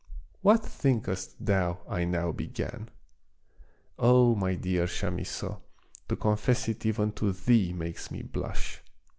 What thinkest thou I now began } Oh, my dear Chamisso, to confess it even to thee makes me blush.